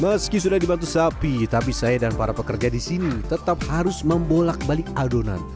meski sudah dibantu sapi tapi saya dan para pekerja di sini tetap harus membolak balik adonan